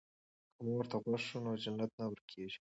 که مور ته غوږ شو نو جنت نه ورکيږي.